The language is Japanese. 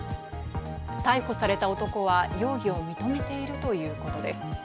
逮捕された男は容疑を認めているということです。